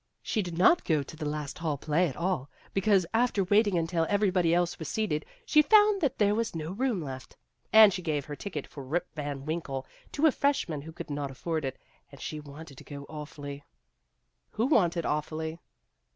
"She did not go to the last Hall Play at all, because, after waiting until every body else was seated, she found that there was no room left. And she gave her ticket for Rip Van Winkle to a freshman who could not afford it, and she wanted to go awfully 276 Vassar Studies " Who wanted awfully